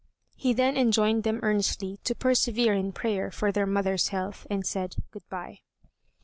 He then enjoined them earnestly to persevere in prayer for their mother's health, and said, "Good by."